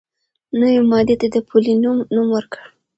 نوې ماده ته یې «پولونیم» نوم ورکړ.